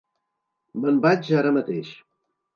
Me'n vaig ara mateix.